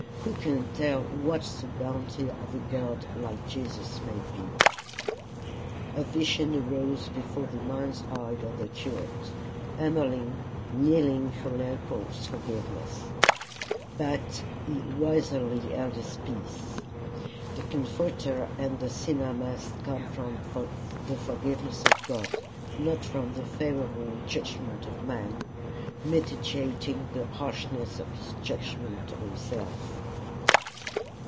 Who can tell what the bounty of a God like Jesus may be!" A vision arose before the mind's eye of the curate: Emmeline kneeling for Leopold's forgiveness; but he wisely held his peace. The comforter of the sinner must come from the forgiveness of God, not from the favourable judgment of man mitigating the harshness of his judgment of himself.